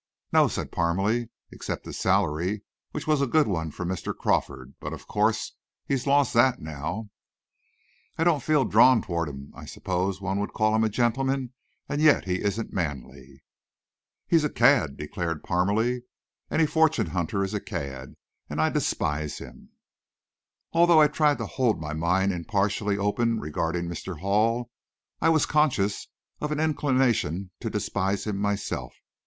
"No," said Parmalee, "except his salary, which was a good one from Mr. Crawford, but of course he's lost that now." "I don't feel drawn toward him. I suppose one would call him a gentleman and yet he isn't manly." "He's a cad," declared Parmalee; "any fortune hunter is a cad, and I despise him." Although I tried to hold my mind impartially open regarding Mr. Hall, I was conscious of an inclination to despise him myself.